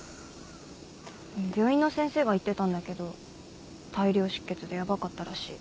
病院の先生が言ってたんだけど大量出血でヤバかったらしい。